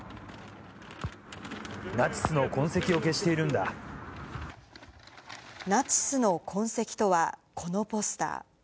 ナチスの痕跡を消しているんナチスの痕跡とは、このポスター。